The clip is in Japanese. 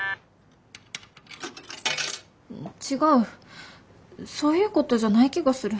違うそういうことじゃない気がする。